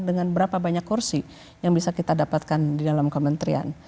dengan berapa banyak kursi yang bisa kita dapatkan di dalam kementerian